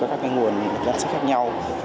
với các nguồn giám sát khác nhau